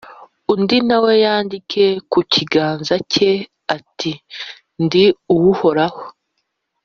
undi na we yandike ku kiganza cye, ati «ndi uw’uhoraho»,